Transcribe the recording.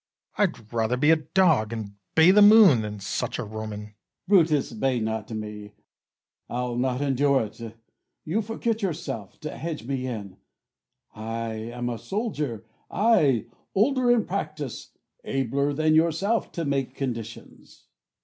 I had rather be a dog, and bay the moon, Than such a Roman. Cas. Brutus, bay not me; I'll not endure it: you forget yourself, To hedge me in; I am a soldier, I, Older in practice, abler than yourself To make conditions.